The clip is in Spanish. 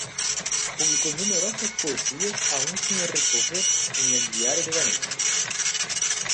Publicó numerosas poesías aún sin recoger en el "Diario de Valencia".